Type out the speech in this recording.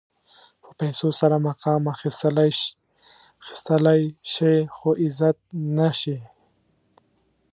په پیسو سره مقام اخيستلی شې خو عزت نه شې.